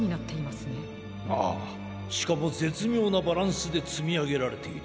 ああしかもぜつみょうなバランスでつみあげられている。